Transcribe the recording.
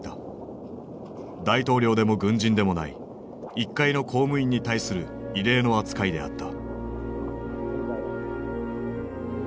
大統領でも軍人でもない一介の公務員に対する異例の扱いであった。